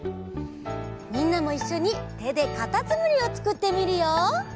みんなもいっしょにてでかたつむりをつくってみるよ。